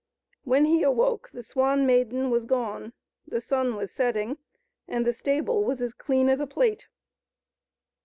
When he awoke the Swan Maiden was gone, the sun was setting, and the stable was as clean as a plate.